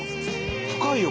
深いよ